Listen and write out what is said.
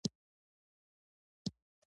د میوو تراشل په محفلونو کې کیږي.